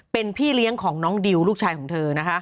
เป็นพี่เลี้ยงของน้องดิวลูกชายของเธอนะคะ